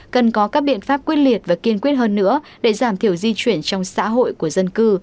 cần có các biện pháp quyết liệt và kiên quyết hơn nữa để giảm thiểu di chuyển trong xã hội của dân cư